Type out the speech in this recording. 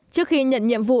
trước khi nhận nhiệm vụ